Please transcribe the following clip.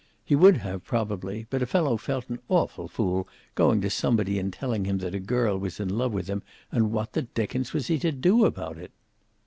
He would have, probably, but a fellow felt an awful fool going to somebody and telling him that a girl was in love with him, and what the dickens was he to do about it?